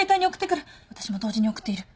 私も同時に送っている。